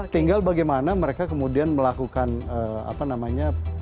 tinggal bagaimana mereka kemudian melakukan apa namanya